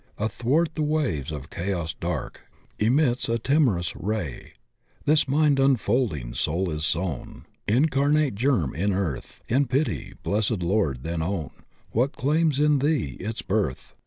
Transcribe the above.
Athwart the waves of chaos dark Emits a timorous ray. This mind enfolding soul is sown. Incarnate germ in earth: In pity, blessed Lord, then own What claims in Thee its birth.